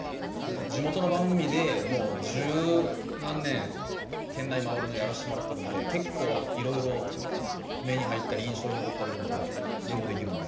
地元の番組でもう十何年県内回るのやらしてもらってるんで結構いろいろ目に入ったり印象に残ってることメモできるんで。